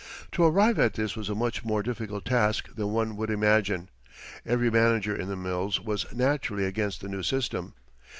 To arrive at this was a much more difficult task than one would imagine. Every manager in the mills was naturally against the new system.